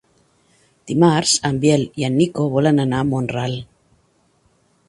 Dimarts en Biel i en Nico volen anar a Mont-ral.